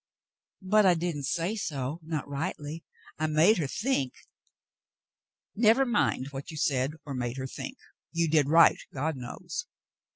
"But I didn't say so — not rightly; I made her think —" "Never mind what you said or made her think. You did right, God knows.